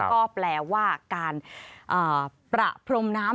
ก็แปลว่าการประพรมน้ำแบบประมาณ